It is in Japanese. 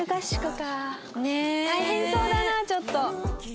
大変そうだなちょっと。